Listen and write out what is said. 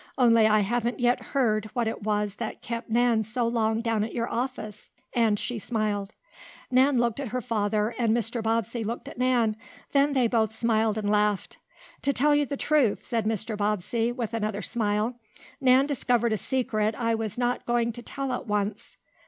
Only I haven't yet heard what it was that kept Nan so long down at your office," and she smiled. Nan looked at her father, and Mr. Bobbsey looked at Nan. Then they both smiled and laughed. "To tell you the truth," said Mr. Bobbsey, with another smile, "Nan discovered a secret I was not going to tell at once."